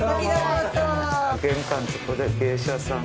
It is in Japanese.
玄関とこで芸者さん。